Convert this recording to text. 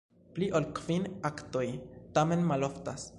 Pli ol kvin aktoj tamen maloftas.